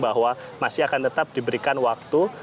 bahwa masih akan tetap diberikan waktu